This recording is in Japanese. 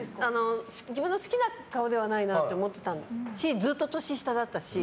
自分の好きな顔ではないなと思ってたしずっと年下だったし。